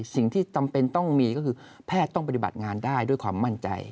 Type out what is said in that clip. จำเป็นต้องมีก็คือแพทย์ต้องปฏิบัติงานได้ด้วยความมั่นใจ